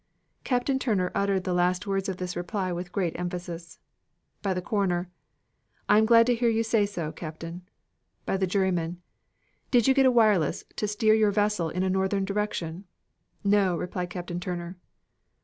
Captain Turner uttered the last words of this reply with great emphasis. By the Coroner "I am glad to hear you say so, Captain." By the Juryman "Did you get a wireless to steer your vessel in a northern direction?" "No," replied Captain Turner.